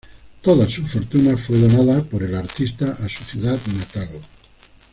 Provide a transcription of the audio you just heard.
Toda su fortuna fue donada por el artista a su ciudad natal.